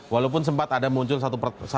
walaupun sempat ada muncul satu persatu